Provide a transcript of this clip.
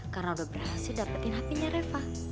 karena udah berhasil dapetin hp nya reva